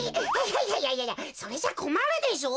いやいやそれじゃこまるでしょ？